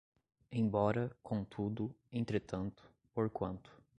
Embora, contudo, entretanto, porquanto